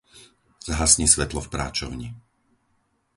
Zhasni svetlo v práčovni.